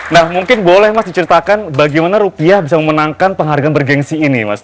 nah mungkin boleh mas diceritakan bagaimana rupiah bisa memenangkan penghargaan bergensi ini mas